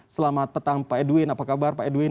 selamat petang pak edwin apa kabar pak edwin